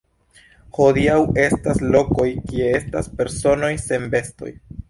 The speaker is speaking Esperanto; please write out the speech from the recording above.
Hodiaŭ estas lokoj kie estas personoj sen vestoj.